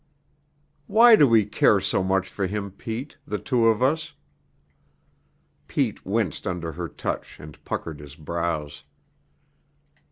"Why do we care so much for him, Pete the two of us?" Pete winced under her touch and puckered his brows.